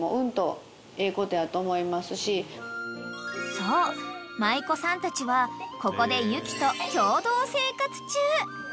［そう舞妓さんたちはここでゆきと共同生活中］